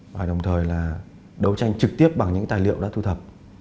và đồng thời là đấu tranh trực tiếp bằng những tài liệu đã thu thập